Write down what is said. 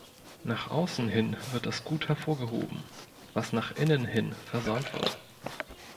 Nach außen hin wird das gut hervorgehoben, was nach innen hin versäumt wird.